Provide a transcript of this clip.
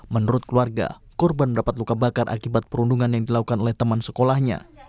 menurut keluarga korban mendapat luka bakar akibat perundungan yang dilakukan oleh teman sekolahnya